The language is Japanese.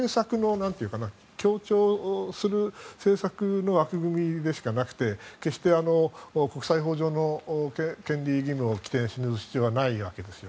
強調する政策の枠組みでしかなくて決して国際法上の権利義務を規定する必要はないわけです。